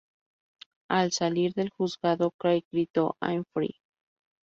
Al salir del juzgado, Craig grito "I'm free!!!